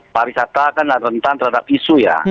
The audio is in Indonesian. pariwisata kan rentan terhadap isu ya